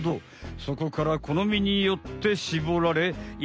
そこからこのみによってしぼられ１